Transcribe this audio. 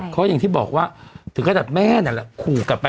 ก็อย่างที่บอกว่าถึงถ้าแม่หนักละขู่กลับไป